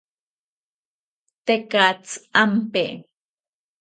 Tekatzi ampe